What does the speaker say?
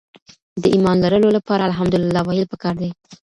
د ايمان لرلو لپاره ألحمدلله ويل پکار دي.